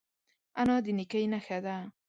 انا د نیکۍ نښه ده